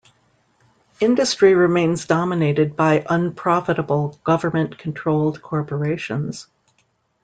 Industry remains dominated by unprofitable government-controlled corporations.